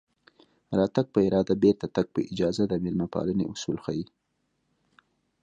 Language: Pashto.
راتګ په اراده بېرته تګ په اجازه د مېلمه پالنې اصول ښيي